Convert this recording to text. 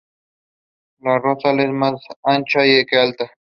La rostral es más ancha que alta.